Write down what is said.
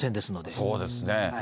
そうですね。